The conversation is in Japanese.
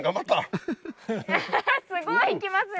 すごい行きますね！